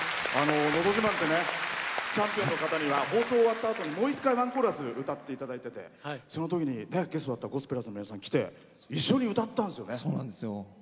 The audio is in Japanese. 「のど自慢」ってチャンピオンの方には放送終わったあとにもう一回、ワンコーラス歌っていただいていてそのときに、ゲストだったゴスペラーズの皆さん一生の思い出ですよね。